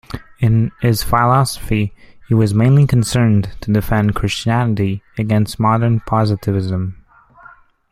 In his philosophy, he was mainly concerned to defend Christianity against modern Positivism.